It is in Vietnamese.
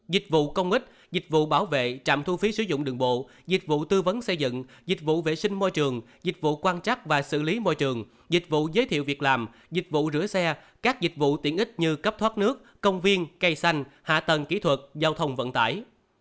dịch vụ công ích dịch vụ bảo vệ trạm thu phí sử dụng đường bộ dịch vụ tư vấn xây dựng dịch vụ vệ sinh môi trường dịch vụ quan trắc và xử lý môi trường dịch vụ giới thiệu việc làm dịch vụ rửa xe các dịch vụ tiện ích như cấp thoát nước công viên cây xanh hạ tầng kỹ thuật giao thông vận tải